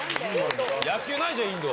野球ないじゃんインド。